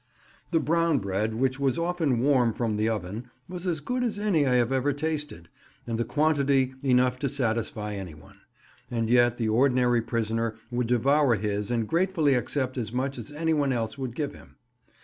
The brown bread, which was often warm from the oven, was as good as any I have ever tasted, and the quantity enough to satisfy anyone; and yet the ordinary prisoner would devour his and gratefully accept as much as anyone else would give him.